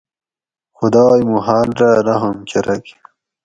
خدائ موں حال رہ رحم کرگ